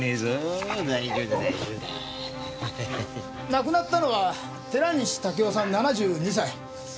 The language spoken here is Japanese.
亡くなったのは寺西竹夫さん７２歳。